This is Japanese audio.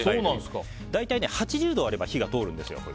大体８０度あれば火が通るんですよ。